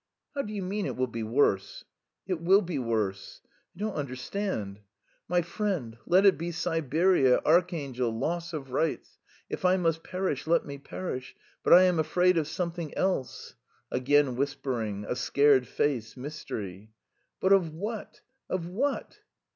"How do you mean it will be worse?" "It will be worse." "I don't understand." "My friend, let it be Siberia, Archangel, loss of rights if I must perish, let me perish! But... I am afraid of something else." (Again whispering, a scared face, mystery.) "But of what? Of what?"